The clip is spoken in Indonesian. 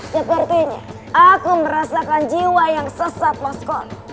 sepertinya aku merasakan jiwa yang sesat moskop